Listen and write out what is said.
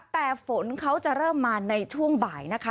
แต่ฝนเขาจะเริ่มมาในช่วงบ่ายนะคะ